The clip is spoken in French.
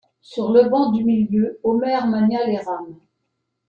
Sur le banc du milieu, Omer mania les rames.